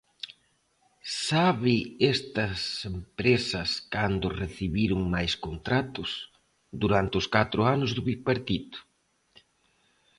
¿Sabe estas empresas cando recibiron máis contratos?, durante os catro anos do bipartito.